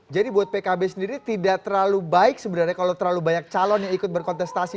jadi buat pkb sendiri tidak terlalu baik sebenarnya kalau terlalu banyak calon yang ikut berkontestasi